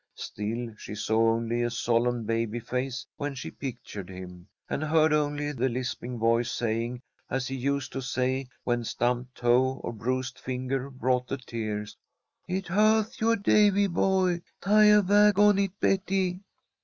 Still, she saw only a solemn baby face when she pictured him, and heard only the lisping voice, saying as he used to say when stumped toe or bruised finger brought the tears: "It hurth your Davy boy. Tie a wag on it, Betty."